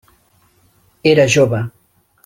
Era jove.